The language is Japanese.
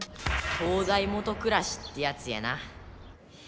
灯台もとくらしってやつやな。